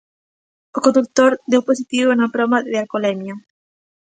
O condutor deu positivo na proba de alcolemia.